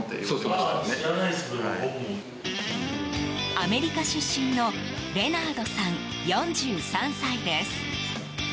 アメリカ出身のレナードさん、４３歳です。